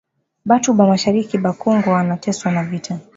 Batu ba mashariki ya kongo wana teswa na vita